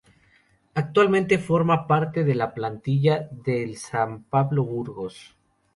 Actualmente forma parte de la plantilla del San Pablo Burgos.